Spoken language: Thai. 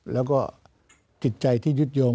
แล้วก็จิตใจที่ยึดโยง